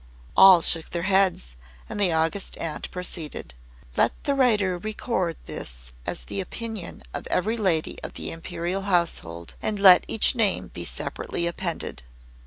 All shook their heads, and the August Aunt proceeded: "Let the writer record this as the opinion of every lady of the Imperial Household, and let each name be separately appended."